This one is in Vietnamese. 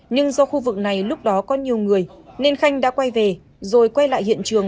nhưng do khu vực này lúc đó có nhiều người nên khanh đã quay về rồi quay lại hiện trường